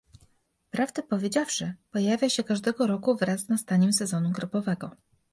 Prawdę powiedziawszy, pojawia się każdego roku wraz z nastaniem sezonu grypowego